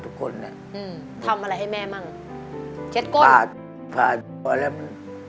นุ่งไงอะไรนุ่งเป็นเพื่อนอะไร